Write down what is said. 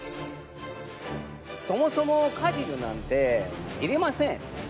そもそもカジノなんていりません。